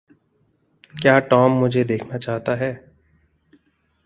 क्या टॉम मुझे देखना चाहता है?